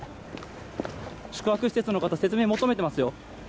宿泊施設の方、説明求めてますよ。